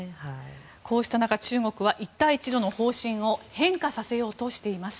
こうした中、中国は一帯一路の方針を変化させようとしています。